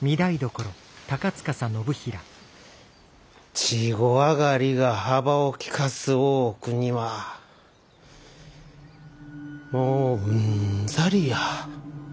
稚児上がりが幅を利かす大奥にはもううんざりや。